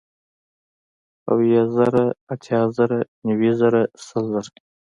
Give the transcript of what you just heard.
اويه زره ، اتيا زره نوي زره سل زره